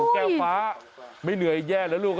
แก้วฟ้าไม่เหนื่อยแย่แล้วลูก